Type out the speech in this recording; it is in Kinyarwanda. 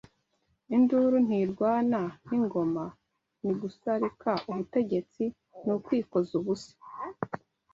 Induru ntirwana n’ingoma ni Gusarika ubutegetsi ni ukwikoza ubusa